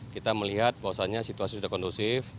kita melihat bahwasannya situasi sudah kondusif